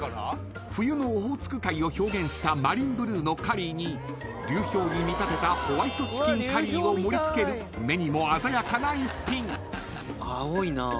［冬のオホーツク海を表現したマリンブルーのカリーに流氷に見立てたホワイトチキンカリーを盛り付ける目にも鮮やかな逸品］